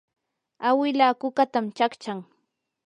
awila kukatan chaqchan.